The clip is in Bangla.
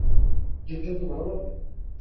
জীবজন্তু ভালো লাগে?